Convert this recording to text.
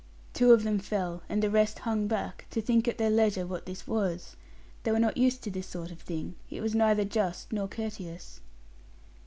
Two of them fell, and the rest hung back, to think at their leisure what this was. They were not used to this sort of thing: it was neither just nor courteous.